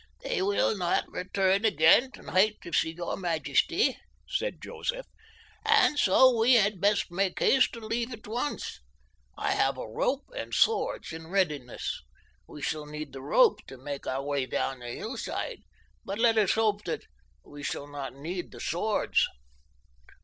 "They will not return again tonight to see your majesty," said Joseph, "and so we had best make haste to leave at once. I have a rope and swords in readiness. We shall need the rope to make our way down the hillside, but let us hope that we shall not need the swords."